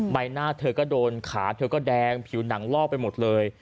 ใบหน้าเธอก็โดนขาเธอก็แดงผิวหนังลอกไปหมดเลย